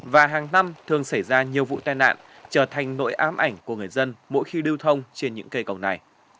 và hàng năm thường xảy ra nhiều vụ tai nạn trở thành nỗi ám ảnh của người dân mỗi khi lưu thông trên những cây cầu này